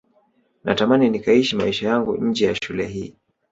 natamani nikaishi maisha yangu nje ya shule hii